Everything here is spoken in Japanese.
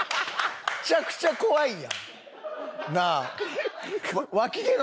めちゃくちゃ怖いやん。なあ？